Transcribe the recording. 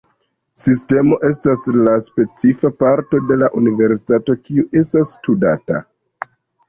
Sistemo estas la specifa parto de la universo kiu estas studata.